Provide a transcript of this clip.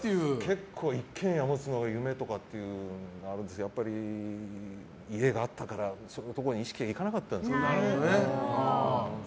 結構、一軒家を持つのが夢とかっていうのは言いますけどやっぱり、家があったから住むところに意識がいかなかったですね。